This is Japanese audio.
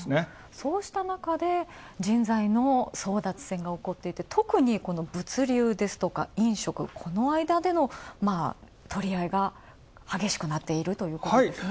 そうしたなかで、人材の相談説が起こっていて特にこの物流ですとか飲食、この間での取り合いが激しくなっているということですね。